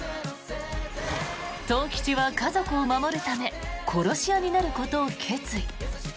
十吉は家族を守るため殺し屋になることを決意。